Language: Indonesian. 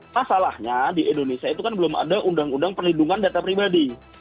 masalahnya di indonesia itu kan belum ada undang undang perlindungan data pribadi